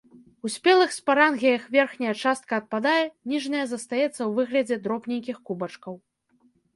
У спелых спарангіях верхняя частка адпадае, ніжняя застаецца ў выглядзе дробненькіх кубачкаў.